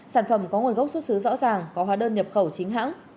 sản phẩm có nguồn gốc xuất xứ rõ ràng có hóa đơn nhập khẩu chính hãng